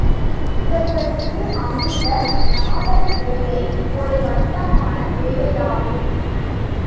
இவர்கட்கு அமைந்த நாடகமேடை ஒரு வட்டமான மேடையாகும்.